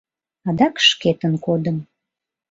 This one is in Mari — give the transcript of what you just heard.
Адак шкетын кодым.